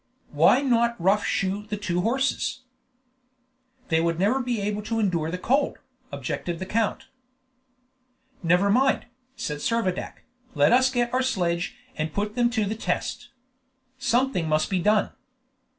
"Why not rough shoe the two horses?" "They would never be able to endure the cold," objected the count. "Never mind," said Servadac, "let us get our sledge and put them to the test. Something must be done!"